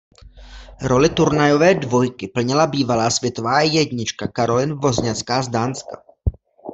Roli turnajové dvojky plnila bývalá světová jednička Caroline Wozniacká z Dánska.